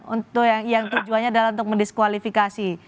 untuk yang tujuannya adalah untuk mendiskualifikasi